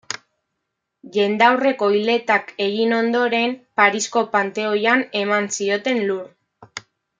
Jendaurreko hiletak egin ondoren Parisko Panteoian eman zioten lur.